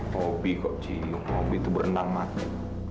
mobi kok cium mobi itu berenang mati